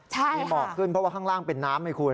มีหมอกขึ้นเพราะว่าข้างล่างเป็นน้ำไงคุณ